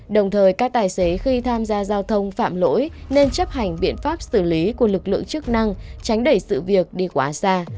đồng thời các tài xế khi tham gia giao thông phạm lỗi nên chấp hành biện pháp xử lý của lực lượng chức năng tránh đẩy sự việc đi của asa